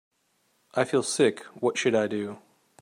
I feel sick, what should I do?